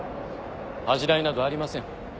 恥じらいなどありません。